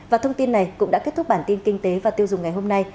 và thông tin này cũng đã kết thúc bản tin kinh tế và tiêu dùng ngày hôm nay